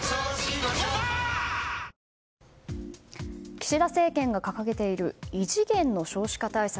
岸田政権が掲げている異次元の少子化対策。